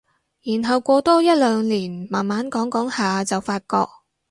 然後過多一兩年慢慢講講下就發覺